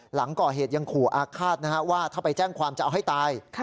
หลังก่อเหตุยังขู่อาฆาตว่าถ้าไปแจ้งความจะเอาให้ตาย